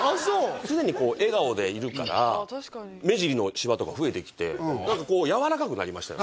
常にこう笑顔でいるから目尻のしわとか増えてきて何かこうやわらかくなりましたよ